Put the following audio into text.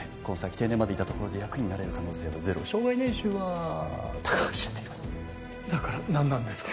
定年までいたところで役員になれる可能性はゼロ生涯年収はたかが知れていますだから何なんですか？